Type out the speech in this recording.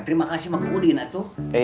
terima kasih mah ke udin atuh